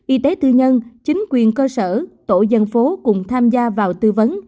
y tế tư nhân chính quyền cơ sở tổ dân phố cùng tham gia vào tư vấn